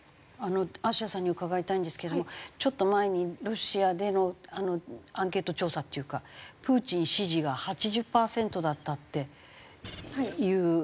あしやさんに伺いたいんですけれどもちょっと前にロシアでのアンケート調査っていうかプーチン支持が８０パーセントだったっていう。